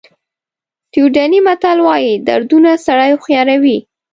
سویډني متل وایي دردونه سړی هوښیاروي.